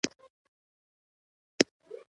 انګلیسي د توریو ښه پوهه غواړي